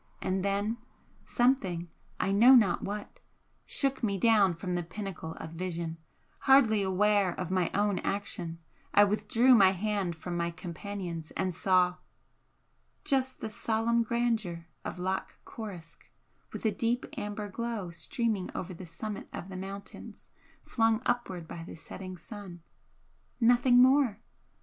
And then something I know not what shook me down from the pinnacle of vision, hardly aware of my own action, I withdrew my hand from my companion's, and saw just the solemn grandeur of Loch Coruisk, with a deep amber glow streaming over the summit of the mountains, flung upward by the setting sun! Nothing more!